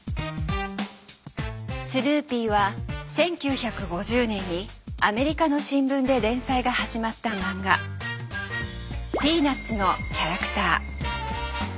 スヌーピーは１９５０年にアメリカの新聞で連載が始まったマンガ「ピーナッツ」のキャラクター。